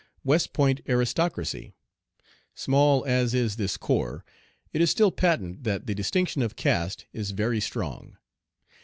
"West Point Aristocracy. Small as is this corps, it is still patent that the distinction of caste is very strong.